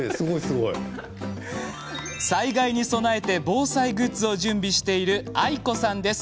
災害に備えて防災グッズを準備しているあいこさんです。